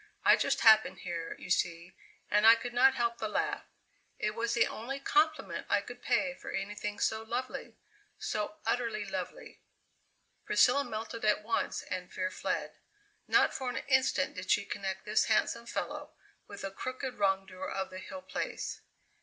I just happened here, you see, and I could not help the laugh; it was the only compliment I could pay for anything so lovely so utterly lovely." Priscilla melted at once and fear fled. Not for an instant did she connect this handsome fellow with the crooked wrongdoer of the Hill Place.